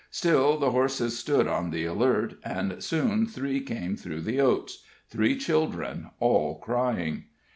Still the horses stood on the alert, and soon three came through the oats three children, all crying.